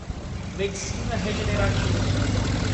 Medicina regenerativa